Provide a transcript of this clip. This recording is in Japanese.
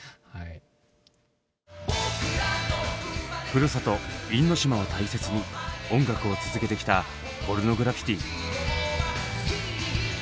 ふるさと因島を大切に音楽を続けてきたポルノグラフィティ。